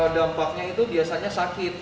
dampaknya itu biasanya sakit